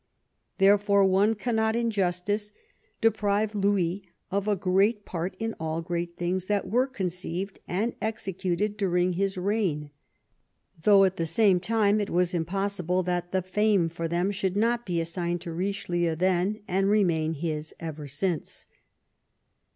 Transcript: Therefore one cannot, in justice, deprive Louis of a great part in all great things that were con ceived and executed during his reign ; though, at the same time, it was impossible that the fame for them should not be assigned to Richelieu then, and remain his ever since."